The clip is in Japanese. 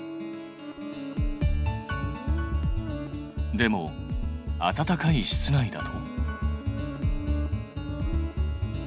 でも暖かい室内だと？